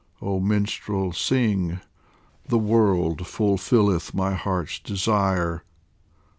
oh minstrel, sing : The world fulfilleth my heart's desire